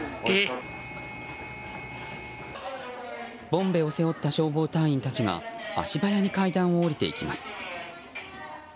ボンベを背負った消防隊員たちが足早に階段を下りていきます。